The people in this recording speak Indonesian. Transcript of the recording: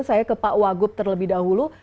saya ke pak wagub terlebih dahulu